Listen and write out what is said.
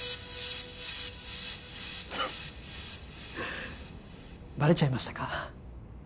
フッバレちゃいましたか